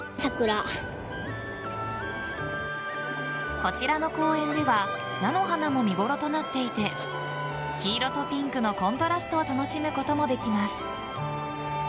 こちらの公園では菜の花も見頃となっていて黄色とピンクのコントラストを楽しむこともできます。